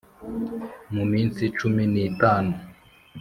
Mu minsi cumi n itanu